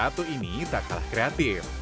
satu ini tak kalah kreatif